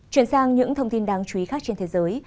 chuyển sang những thông tin đáng chú ý khác trên thế giới